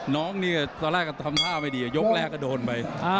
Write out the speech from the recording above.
น้องนี่ตอนแรกก็ทำท่าไม่ดียกแรกก็โดนไป